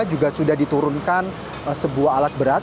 juga sudah diturunkan sebuah alat berat